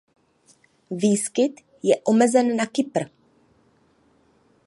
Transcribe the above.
Výskyt je omezen na Kypr.